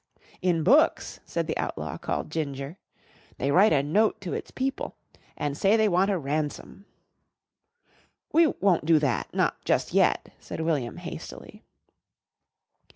"In books," said the outlaw called Ginger, "they write a note to its people and say they want a ransom." "We won't do that not just yet," said William hastily.